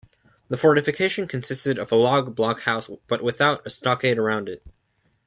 The fortification consisted of a log blockhouse but without a stockade around it.